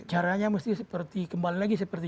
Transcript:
caranya mesti seperti kembali lagi seperti